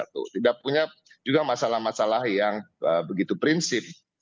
tidak punya juga masalah masalah yang begitu prinsip